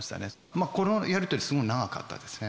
まあこのやり取りすごい長かったですね。